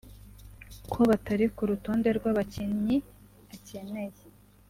ko batari ku rutonde rw'abakinyi akeneye